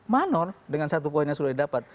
manor dengan satu poinnya sudah didapat